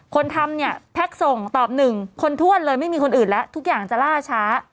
คนทำเนี่ยแพ็คส่งตอบหนึ่งคนถ้วนเลยไม่มีคนอื่นแล้วทุกอย่างจะล่าช้า